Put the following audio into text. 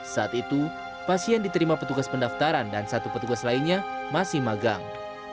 saat itu pasien diterima petugas pendaftaran dan satu petugas lainnya masih magang